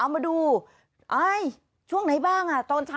ค่ะคือเมื่อวานี้ค่ะ